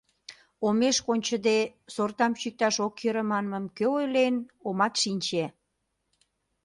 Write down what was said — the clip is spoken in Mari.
Омеш кончыде, сортам чӱкташ ок йӧрӧ манмым кӧ ойлен, омат шинче...